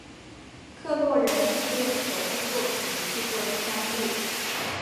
洛克人系列的首部作品续作第三部。